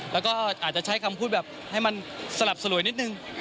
แล้วก็อาจจะใช้คำพูดแบบให้มันสลับสลวยนิดนึง